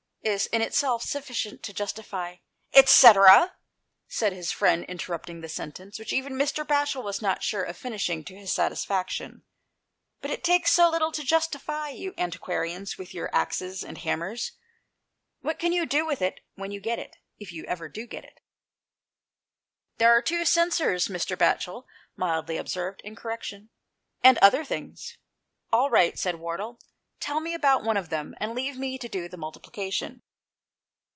is in itself sufficient to justify "" Etcetera," said his friend, interrupting the sentence which even Mr. Batchel was not sure of finishing to his satisfaction, "but it takes so little to justify you antiquarians, with your axes and hammers. What can you do with it when you get it, if you ever do get it ?" "There are two censers," Mr. Batchel mildly observed in correction, " and other things." "All right," said Wardle; "tell me about one of them, and leave me to do the multiplica tion."